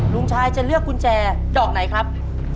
ลุงชายจะเลือกกุญแจดอกไหนครับ